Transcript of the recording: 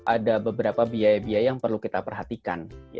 ada beberapa biaya biaya yang perlu kita perhatikan